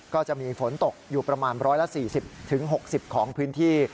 ก็จะมีฝนตกอยู่ประมาณ๑๔๐๖๐ของพื้นที่